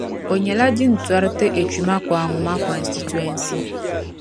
O nyɛla jintɔra n-ti Atwima-Kwanwoma Constituency.